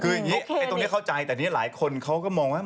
คืออย่างนี้ตรงนี้เข้าใจแต่นี้หลายคนเขาก็มองว่า